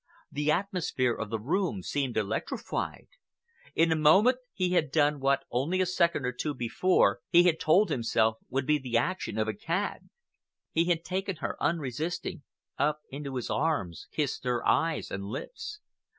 The atmosphere of the room seemed electrified. In a moment, he had done what only a second or two before he had told himself would be the action of a cad. He had taken her, unresisting, up into his arms, kissed her eyes and lips.